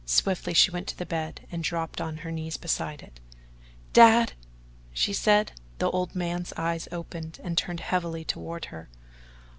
Swiftly she went to the bed and dropped on her knees beside it. "Dad!" she said. The old man's eyes opened and turned heavily toward her.